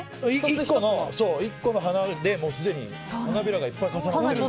１個の花ですでに花びらがいっぱい重なってる。